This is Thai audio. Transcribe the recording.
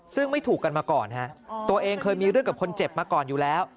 ซึ่งไม่ถูกกันมาก่อนฮะตัวเองเคยมีเรื่องกับคนเจ็บมาก่อนอยู่แล้ว